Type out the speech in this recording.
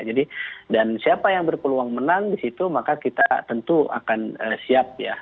jadi dan siapa yang berpeluang menang di situ maka kita tentu akan siap ya